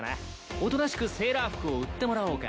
おとなしくセーラー服を売ってもらおうか。